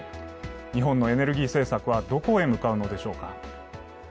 日本のエネルギー政策はどこへ向かうのでしょうか。